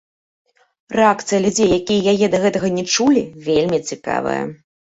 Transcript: Рэакцыя людзей, якія яе да гэтага не чулі, вельмі цікавая.